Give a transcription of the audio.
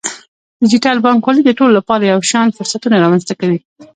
ډیجیټل بانکوالي د ټولو لپاره یو شان فرصتونه رامنځته کوي.